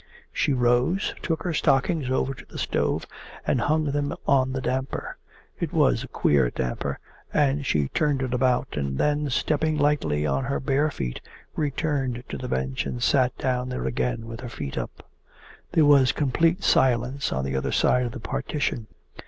She rose, took her stockings over to the stove, and hung them on the damper. It was a queer damper, and she turned it about, and then, stepping lightly on her bare feet, returned to the bench and sat down there again with her feet up. There was complete silence on the other side of the partition.